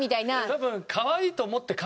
多分。